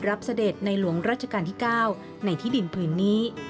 เสด็จในหลวงรัชกาลที่๙ในที่ดินผืนนี้